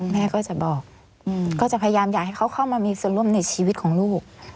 แม่ก็จะบอกก็จะพยายามอยากให้เขาเข้ามามีส่วนร่วมในชีวิตของลูก